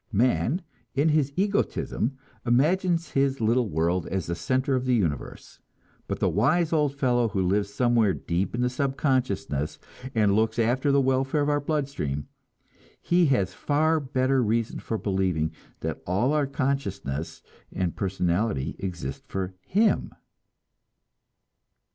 Man, in his egotism, imagines his little world as the center of the universe; but the wise old fellow who lives somewhere deep in our subconsciousness and looks after the welfare of our blood stream he has far better reason for believing that all our consciousness and our personality exist for him!